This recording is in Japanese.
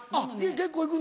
結構行くの？